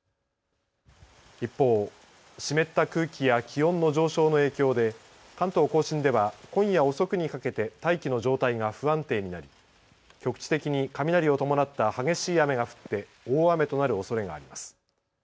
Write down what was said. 一方、湿った空気や気温の上昇の影響で関東甲信では今夜遅くにかけて大気の状態が不安定になり局地的に雷を伴った激しい雨が降って大雨となるおそれがあります。